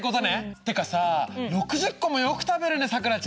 ってかさ６０個もよく食べるねさくらちゃん。